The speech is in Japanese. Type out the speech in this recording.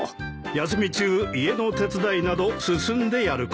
休み中家の手伝いなど進んでやること。